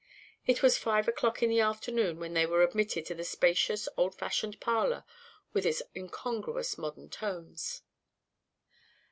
It was five o'clock in the afternoon when they were admitted to the spacious old fashioned parlour with its incongruous modern notes.